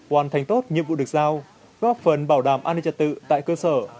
hoàn thành tốt nhiệm vụ được giao góp phần bảo đảm an ninh trật tự tại cơ sở